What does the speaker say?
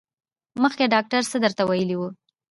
مخکې ډاکټر څه درته ویلي وو؟